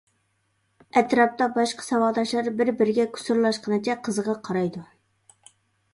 ئەتراپتا باشقا ساۋاقداشلار بىر-بىرىگە كۇسۇرلاشقىنىچە قىزغا قارايدۇ.